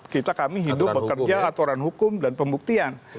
kita kami hidup bekerja aturan hukum dan pembuktian